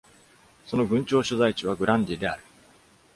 その郡庁所在地はグランディである。